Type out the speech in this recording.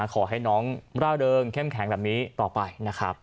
ขอให้น้องร่าเริงเข้มแข็งแบบนี้ต่อไปนะครับ